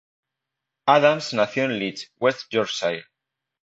Adams nació en Leeds, West Yorkshire.